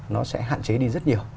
nó sẽ hạn chế đi rất nhiều